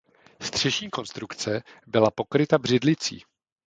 Střešní konstrukce byla pokryta břidlicí.